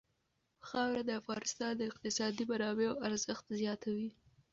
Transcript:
خاوره د افغانستان د اقتصادي منابعو ارزښت زیاتوي.